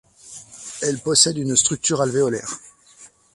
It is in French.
Elle possède une structure alvéolaire.